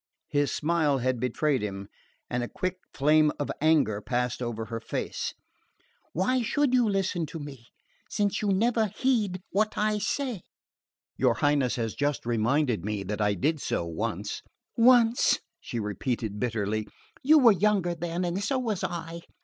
His smile had betrayed him, and a quick flame of anger passed over her face. "Why should you listen to me, since you never heed what I say?" "Your Highness has just reminded me that I did so once " "Once!" she repeated bitterly. "You were younger then and so was I!"